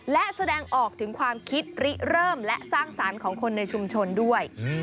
และแสดงออกถึงความคิดริเริ่มและสร้างสรรค์ของคนในชุมชนด้วย